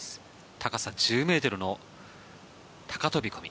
高さ１０ｍの高飛込。